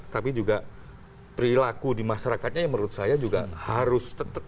tapi juga perilaku di masyarakatnya yang menurut saya juga harus tetap